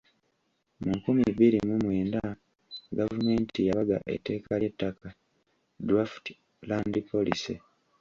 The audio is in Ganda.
Mu nkumi bbiri mu mwenda gavumenti yabaga etteeka ly’ettaka (draft land policy).